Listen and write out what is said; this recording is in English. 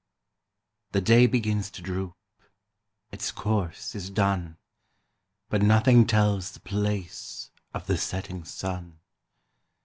The day begins to droop, Its course is done; But nothing tells the place Of the setting sun.